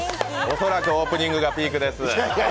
恐らくオープニングがピークです。